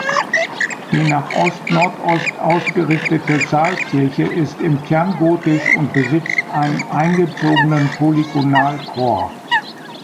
Die nach Ostnordost ausgerichtete Saalkirche ist im Kern gotisch und besitzt einen eingezogenen Polygonalchor.